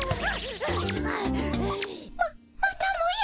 ままたもや。